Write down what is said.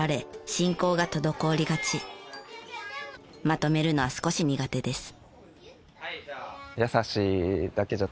まとめるのは少し苦手です。